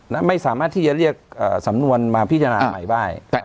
นะไม่สามารถที่จะเรียกอ่าสำนวนมาพิจารณาใหม่บ้างอ่า